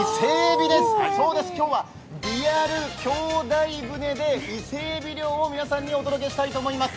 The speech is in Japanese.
そうです、今日はリアル兄弟船で伊勢えび漁を皆さんにお届けしたいと思います。